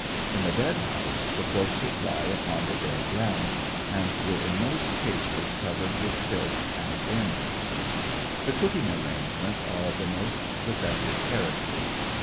In the dead house the corpses lie upon the bare ground, and were in most cases covered with filth and vermin. The cooking arrangements are of the most defective character.